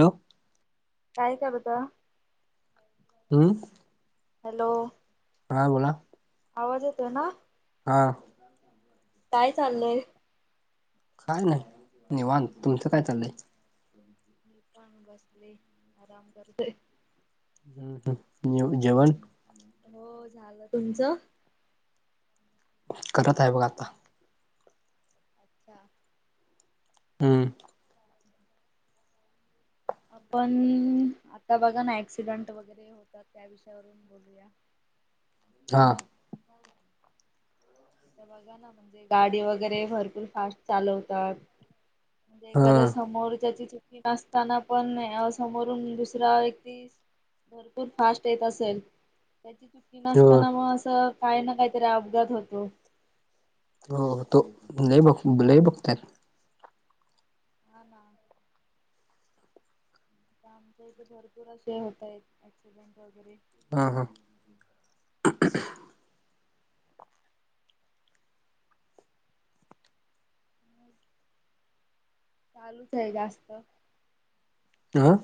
हो. काय करता? हम. हॅलो. हा बोला. आवाज येतोय ना? हा. काय चाललंय? काय नाही निवांत, तुमचं काय चाललंय? मी पण बसले, आराम करतय. हू हू ह जेवण? हो झालं. तुमचं? करत हाय बघ आता. अच्छा. उमम. आपण आता बघा ना, ऍक्सिडंट वगैरे होतात, त्या विषयावरून बोलूया. ज [inaudible] हा. आता बघा ना, म्हणजे गाडी वगैरे भरपूर फास्ट चालवतात. म्हणजे हा एखाद्या समोर च्याची चू की असताना पण, समोरून दुसरा व्यक्ती भरपूर फास्ट येत असेल त्याची चुकी हो नसताना, म असं काही ना काहीतरी अपघात होतो. हो हो होतो. लई बघ लई बघतोय. हा ना. आता आमच्या इथे भरपूर असे होत आहेत, ऍक्सिडेंट वगैरे हा हा. चालूच हाय जास्त. अं.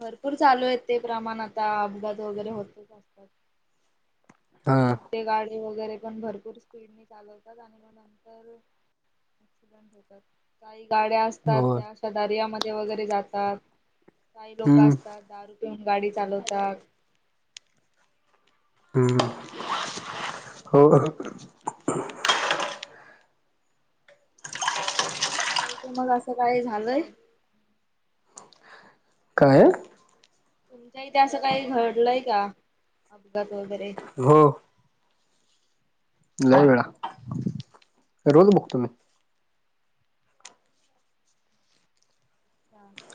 भरपूर चालू आहेत ते प्रमाण आता, अपघात वगैरे होतच असतात. हा मोठे गाडी वगैरे पण भरपूर स्पीडने चालवतात आणि मग नंतर ॲक्सिडेंट होतात. काही गाड्या असतात, होय त्या आशा दरयामध्ये वगैरे जातात. काही लोक हम्म असतात दारू पिवून गाडी चालवतात. हो. तुमच्या इथे मग असं काय झालंय? काय? तुमच्या इथे असं काही घडलंय का अपघात वगैरे? लई वेळा, रोज बघतो मी.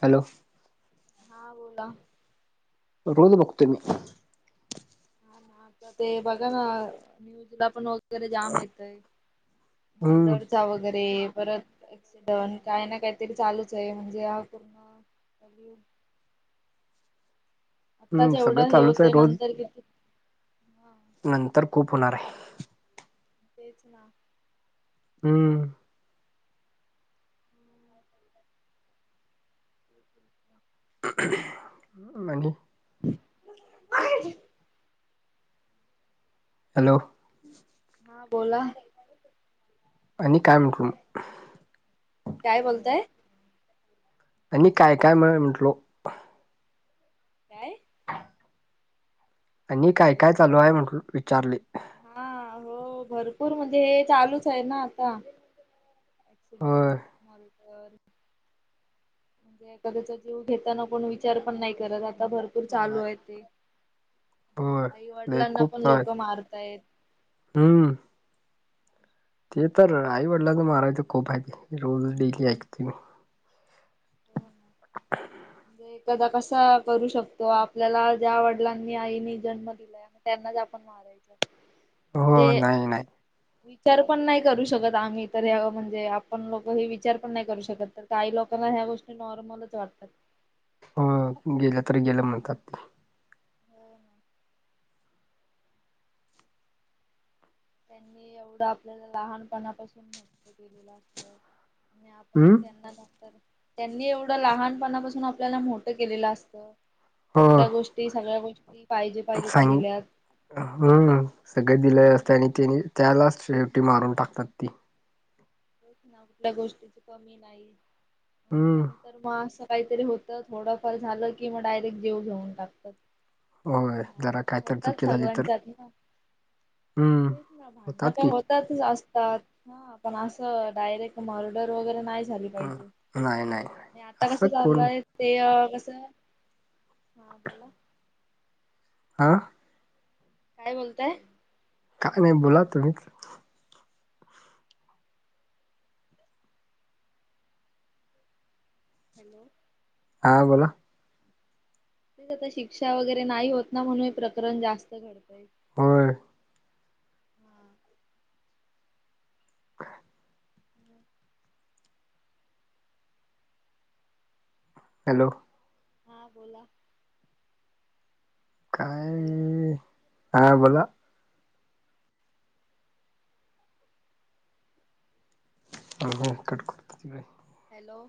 हॅलो. हा बोला. रोज बघतोय मी. हा ना, आता ते बघा ना न्यूजला पण होत वगैरे जाम येतय, हम्म मर्डरचा वगैरे- परत एक्सिडंट काय ना काही तरी चालूच आहे, म्हणजे हा पूर्ण कलियुग हम्म आत्ताच सगळं एवढं हे चालूच आहे होतंय रोज नंतर किती? हा नंतर खूप होणार हाय. तेच ना. हूम्म. मनी [inaudible] हॅलो. हा बोला. आणि काय म्हटलो मी? काय बोलताय? आणि काय काय मग म्हंटलो? काय? आणि काय काय हॅलो चालू हाय म्हटलो विचारले. हा हो भरपूर म्हणजे हे चालूच हाय ना आता होय एक्सीडेंट मर्डर. म्हणजे एखाद्याचा जीव घेताना कोण विचार पण नाय करत, आता भरपूर चालू नाही हाय ते. होय आई लय वडिलांना खूप पण चांग लोक मारतायेत. हम्म ते तर आई-वडलांना माराच खूप हाय की रोज डेली ऐकतोय मी. [inaudible] तो एखादा कसा करू शकतो, आपल्याला ज्या वडिलांनी आईनी जन्म दिलाय. म त्यांनाच आपण मारायच हो म्हणजे नाही नाही वि विचार पण नाय करू शकत आम्ही तर ह म्हणजे आपण लोक हे विचार पण नाय करू शकत तर काही लोकांना ह्या गोष्टी नॉर्मलच वाटतात. हो गेलं तर गेलं म्हणतात ते. हो ना. त्यांनी एवढं आपल्याला लहानपणापासून मोठं केलेलं असत. आणि आपणच हम्म त्यांना नंतर त्यांनी एवढं लहानपणापासून आपल्याला मोठं केलेलं असतं. एवढ्या गोष्टी सगळ्या गोष् सांगी हम्म सगळे दिलेय असतय, कोणत्या आणि गोष्टी त्यानी त्यालाच शे शेवटी मारून टाकतात ती. तेचं ना कुठल्या गोष्टीची कमी नाही आणि हम्म नंतर म असं काहीतरी होत थोडंफार झालं की, मग डायरेक्ट जीव घेऊन टाकतात. होय जरा भांडणं काय तर होतात चुकी झाली तर सगळ्यांच्यात ना हम्म तेच ना भांडणं होतात काय की होतातच अस तात हा पण असं डायरेक्ट मर्डर वगैरे नाही झाली हम्म. पाहिजे, नाही नाही आणि आता कस असं कोण चाललंय ते अ क हा बोला हा काय बोलताय? काय नाय बोला तुम्ही हॅलो हा बोला तेच आता शिक्षा वगैरे नाही होत ना म्हणून हे प्रकरण जास्त घडतय. होय. हा काय? हॅलो हा बोला हॅलो काय हा बोला अहो हो कट करतो तिकडे हॅलो